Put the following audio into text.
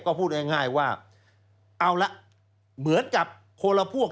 ก็พูดง่ายว่าเอาละเหมือนกับคนละพวก